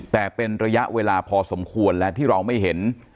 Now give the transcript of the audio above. แต่เป็นระยะเวลาพอสมควรและที่เราไม่เห็น